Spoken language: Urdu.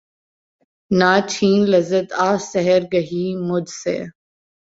نہ چھین لذت آہ سحرگہی مجھ سے